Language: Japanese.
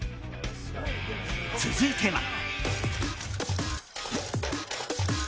続いては。